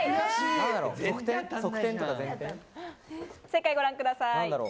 正解ご覧ください。